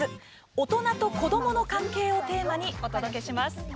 大人と子どもの関係をテーマにお届けします。